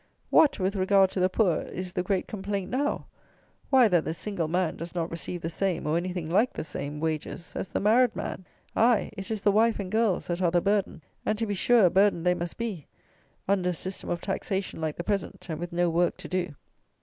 What, with regard to the poor, is the great complaint now? Why, that the single man does not receive the same, or anything like the same, wages as the married man. Aye, it is the wife and girls that are the burden; and to be sure a burden they must be, under a system of taxation like the present, and with no work to do.